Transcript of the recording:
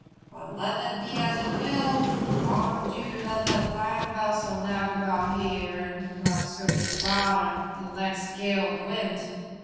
But let that be as it will, it won't do to let that fine vessel knock about here and perhaps go to the bottom in the next gale of wind."